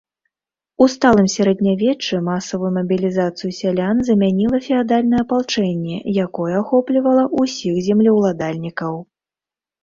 У сталым сярэднявеччы масавую мабілізацыю сялян замяніла феадальнае апалчэнне, якое ахоплівала ўсіх землеўладальнікаў.